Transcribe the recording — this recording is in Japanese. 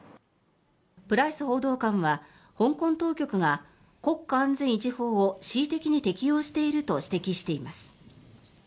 プライス報道官は香港当局が国家安全維持法を恣意的に適用していると指摘しています。